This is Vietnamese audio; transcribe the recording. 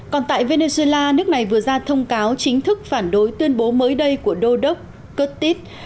còn tại venezuela nước này vừa ra thông cáo chính thức phản đối tuyên bố mới đây của đô đốc cuttit